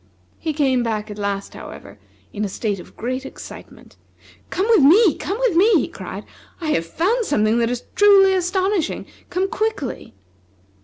He came back at last, however, in a state of great excitement. "Come with me! come with me!" he cried. "I have found something that is truly astonishing! Come quickly!"